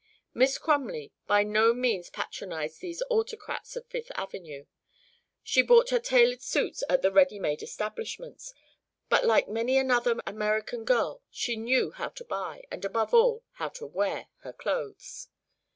Miss Crumley by no means patronised these autocrats of Fifth Avenue; she bought her tailored suits at the ready made establishments, but like many another American girl, she knew how to buy, and above all, how to wear her clothes.